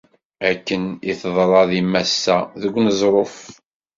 Akken i teḍra di Masa, deg uneẓruf.